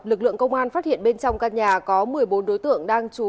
lực lượng công an phát hiện bên trong căn nhà có một mươi bốn đối tượng đang trú